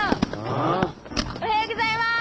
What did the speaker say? あぁ？おはようございます！